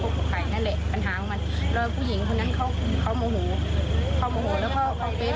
มันบอกว่างานเข้าไปทำเราอยู่กว่ามาเจ็ดแปดปีแล้วมันไม่มีความรักเลยเลย